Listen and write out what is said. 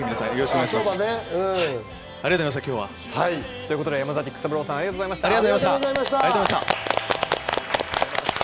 ありがとうございました、今日は。ということで山崎育三郎さん、ありがとうございました。